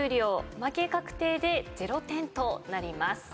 負け確定で０点となります。